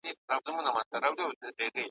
د ژوندون به نوی رنگ وي نوی خوند وي `